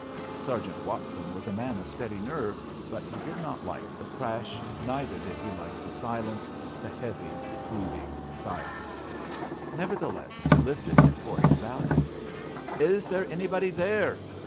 Sergeant Watson was a man of steady nerve, but he did not like the crash, neither did he like the silence, the heavy, brooding silence. Nevertheless, he lifted his voice valiantly. "Is there anybody there?"